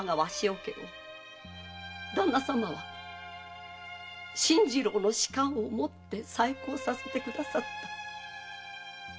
家を旦那様は信二郎の仕官をもって再興させてくださった。